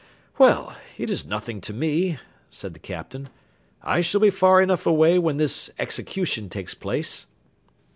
"Well, it is nothing to me," said the Captain. "I shall be far enough away when this execution takes place."